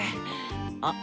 あっ。